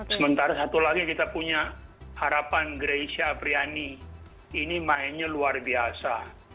sementara satu lagi kita punya harapan greysia apriani ini mainnya luar biasa